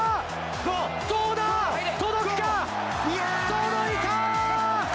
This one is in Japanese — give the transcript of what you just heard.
届いた！